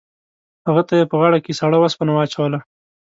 هغه ته یې په غاړه کې سړه اوسپنه واچوله.